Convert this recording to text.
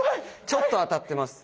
ちょっと当たってます。